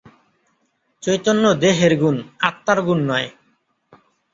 চৈতন্য দেহের গুণ, আত্মার গুণ নয়।